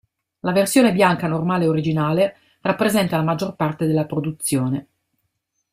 La versione bianca normale originale rappresenta la maggior parte della produzione.